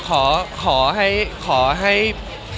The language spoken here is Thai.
เป็นสิ่งที่พี่ช่าก็ไม่รู้เอง